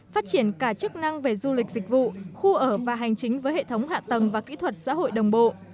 phát triển cả chức năng về du lịch dịch vụ khu ở và hành chính với hệ thống hạ tầng và kỹ thuật xã hội đồng bộ